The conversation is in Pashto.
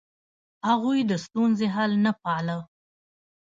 هغوی د ستونزې حل نه پاله.